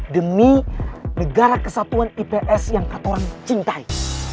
demi negara kesatuan ips yang katorang cintai